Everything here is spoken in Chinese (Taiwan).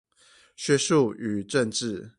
學術與政治